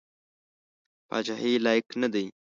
پاچهي لایق نه دی.